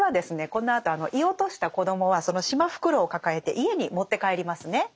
このあと射落とした子どもはそのシマフクロウを抱えて家に持って帰りますね。